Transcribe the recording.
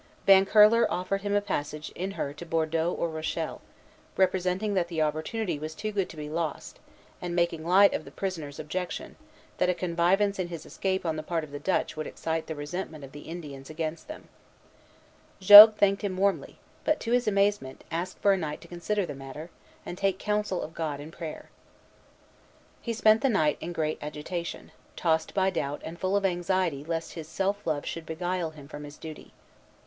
Van Curler offered him a passage in her to Bordeaux or Rochelle, representing that the opportunity was too good to be lost, and making light of the prisoner's objection, that a connivance in his escape on the part of the Dutch would excite the resentment of the Indians against them. Jogues thanked him warmly; but, to his amazement, asked for a night to consider the matter, and take counsel of God in prayer. See a French rendering of the letter in Vimont, Relation, 1643, p. 75. He spent the night in great agitation, tossed by doubt, and full of anxiety lest his self love should beguile him from his duty.